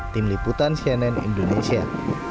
tim liputan cnn indonesia